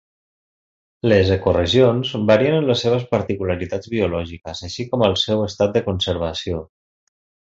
Les ecoregions varien en les seves particularitats biològiques, així com al seu estat de conservació.